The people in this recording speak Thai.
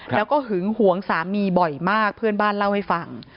แล้วก็หึงหวงสามีบ่อยมากเพื่อนบ้านเล่าให้ฟัง